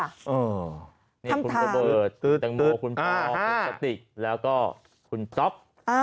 คำถามนี่คุณกระเบิดแต่งโมคุณพอคุณสติกแล้วก็คุณจ๊อป